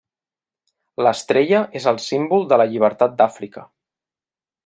L'estrella és el símbol de la llibertat d'Àfrica.